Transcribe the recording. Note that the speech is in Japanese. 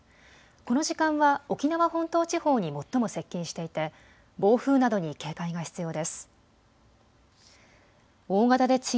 この時間は沖縄本島地方に最も接近していて暴風などに警戒が必要です。